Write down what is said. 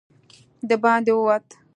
د باندې ووت.